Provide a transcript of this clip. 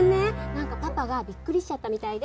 なんかパパがびっくりしちゃったみたいで。